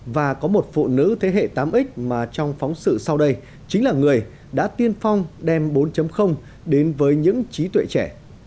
và có một phụ nữ thế hệ tám x mà trong phóng sự sau đây chính là người đã tiên phong đem bốn đến với những trí tuệ trẻ